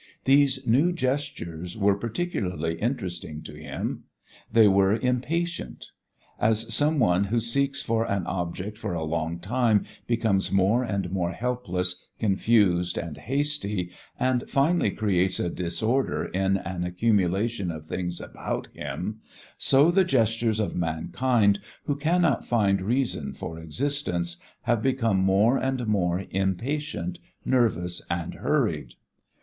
These new gestures were particularly interesting to him. They were impatient. As someone who seeks for an object for a long time becomes more and more helpless, confused, and hasty, and finally creates a disorder in an accumulation of things about him, so the gestures of mankind who cannot find reason for existence, have become more and more impatient, nervous and hurried.